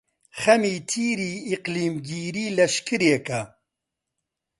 خەمی تیری ئیقلیمگیری لەشکرێکە،